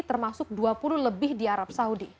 termasuk dua puluh lebih di arab saudi